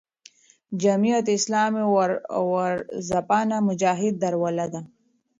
جمعیت اسلامي ورځپاڼه "مجاهد" درلوده.